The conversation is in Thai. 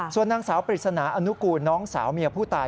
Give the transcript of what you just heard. ส่วนนางสาวปริศนาอนุกูลน้องสาวเมียผู้ตาย